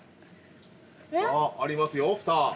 ◆さあ、ありますよ、ふた。